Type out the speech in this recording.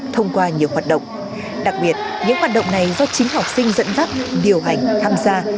thông qua nhiều hoạt động đặc biệt những hoạt động này do chính học sinh dẫn dắt điều hành tham gia